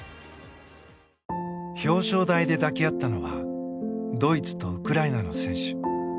表彰台で抱き合ったのはドイツとウクライナの選手。